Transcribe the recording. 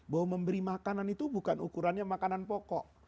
bahwa memberi makanan itu bukan ukurannya makanan pokok